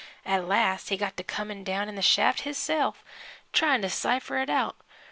At last he got to comin' down in the shaft, hisself, to try to cipher it out.